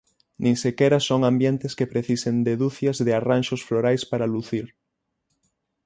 Nin sequera son ambientes que precisen de ducias de arranxos florais para lucir.